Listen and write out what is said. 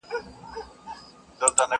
ځوانیمرګي ځوانۍ ځه مخته دي ښه شه؛